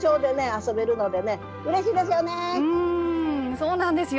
そうなんですよ。